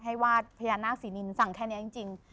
ให้วาดพญานาคศรีนินสั่งแค่นี้จริง